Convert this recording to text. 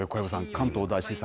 関東大震災